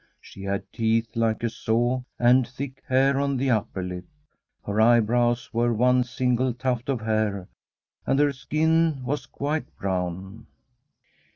She had teeth like a saw, and thick hair on the upper lip. Her eyebrows were one single tuft of hair, and her skin was quite brown.